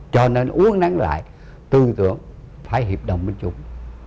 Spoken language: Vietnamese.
cho nên uống nắng lại tư tưởng phải hiệp đồng bên chung